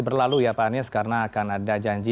berlalu ya pak anies karena akan ada janji